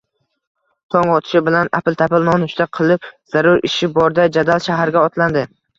Tong otishi bilan apil-tapil nonushta qilib, zarur ishi borday jadal shaharga otlandi